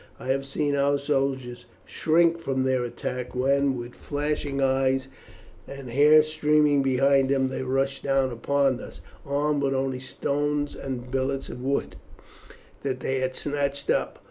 I have seen our soldiers shrink from their attack, when, with flashing eyes and hair streaming behind them, they rush down upon us, armed with only stones and billets of wood that they had snatched up.